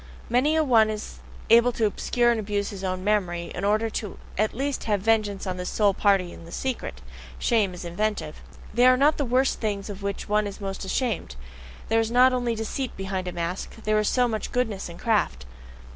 Many a one is able to obscure and abuse his own memory, in order at least to have vengeance on this sole party in the secret: shame is inventive. They are not the worst things of which one is most ashamed: there is not only deceit behind a mask there is so much goodness in craft.